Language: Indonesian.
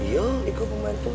iya itu pembantu